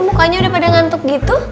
mukanya udah pada ngantuk gitu